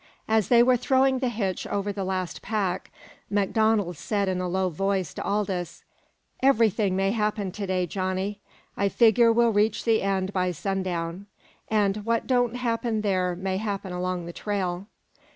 As they were throwing the hitch over the last pack, MacDonald said in a low voice to Aldous: "Everything may happen to day, Johnny. I figger we'll reach the end by sundown. An' what don't happen there may happen along the trail.